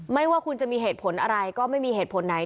ว่าคุณจะมีเหตุผลอะไรก็ไม่มีเหตุผลไหน